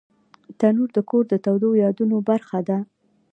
تنور د کور د تودو یادونو برخه ده